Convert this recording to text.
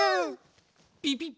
ピピッ！